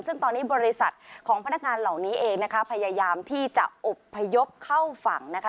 ซึ่งตอนนี้บริษัทของพนักงานเหล่านี้เองนะคะพยายามที่จะอบพยพเข้าฝั่งนะคะ